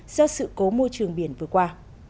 do sự cố môi trường biển vừa qua